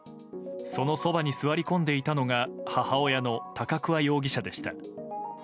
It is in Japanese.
そのそばに座り込んでいたのが母親の高桑容疑者でした。